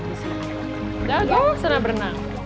nggak gue senang berenang